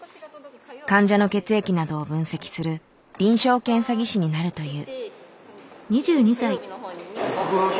患者の血液などを分析する臨床検査技師になるという。